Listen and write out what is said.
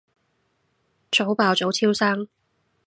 早爆早超生